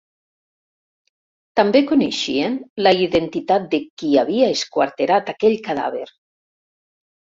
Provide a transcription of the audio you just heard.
També coneixien la identitat de qui havia esquarterat aquell cadàver.